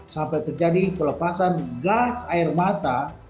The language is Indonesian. sampai terjadi pelepasan gas air mata